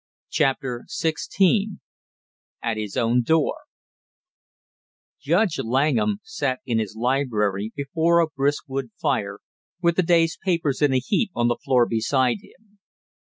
CHAPTER SIXTEEN AT HIS OWN DOOR Judge Langham sat in his library before a brisk wood fire with the day's papers in a heap on the floor beside him.